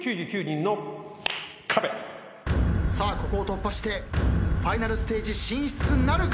さあここを突破してファイナルステージ進出なるか？